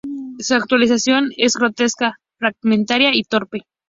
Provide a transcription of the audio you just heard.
Su actuación es grotesca, fragmentaria y torpe".